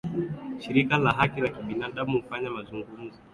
Shirika la Haki za Kibinadamu hufanya mazungumzo ya majadiliano